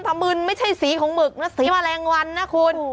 มึนไม่ใช่สีของหมึกนะสีแมลงวันนะคุณ